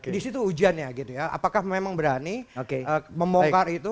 disitu ujiannya gitu ya apakah memang berani memongkar itu